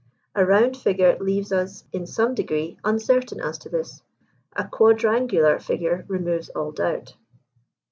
A round figure leaves us in some degree uncertain as to this: a quadrangular figure removes all doubt.